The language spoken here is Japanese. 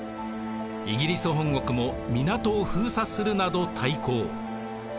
イギリス本国も港を封鎖するなど対抗。